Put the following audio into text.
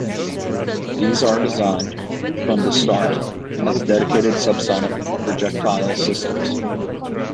These are designed from the start as dedicated subsonic projectile systems.